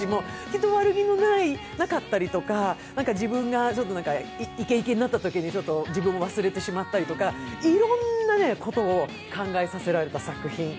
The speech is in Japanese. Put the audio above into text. きっと悪気がなかったりとか、自分がイケイケになったときに自分を忘れてしまったりとか、いろんなことを考えさせられた作品。